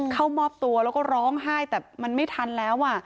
เข้ามอบตัวแล้วก็ร้องไห้แต่มันไม่ทันแล้ว